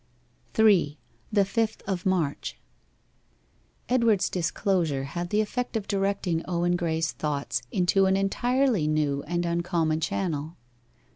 3. THE FIFTH OF MARCH Edward's disclosure had the effect of directing Owen Graye's thoughts into an entirely new and uncommon channel.